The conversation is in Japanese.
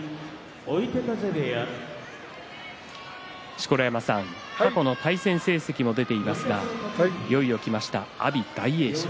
錣山さん、過去の対戦成績も出ていますがいよいよきました阿炎、大栄翔。